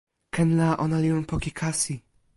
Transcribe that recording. ken la, ona li lon poki kasi.